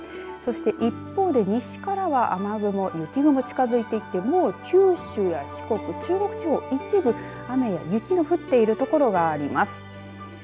そして一方で西からは雨雲雪雲、近づいてきてもう九州や四国、中国地方一部、雨や雪の降っている所があります。